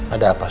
ada apa sih